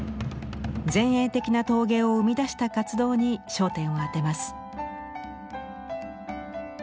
前衛的な陶芸を生み出した活動に焦点を当てます。